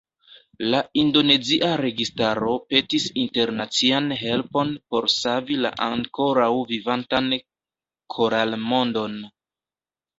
La indonezia registaro petis internacian helpon por savi la ankoraŭ vivantan koralmondon.